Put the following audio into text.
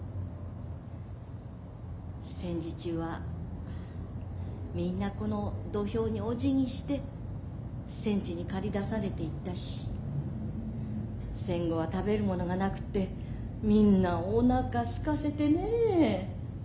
戦時中はみんなこの土俵におじぎして戦地に駆り出されていったし戦後は食べるものがなくてみんなおなかすかせてねえ。